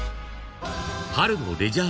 ［春のレジャー